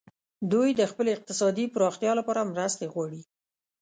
دوی د خپلې اقتصادي پراختیا لپاره مرستې غواړي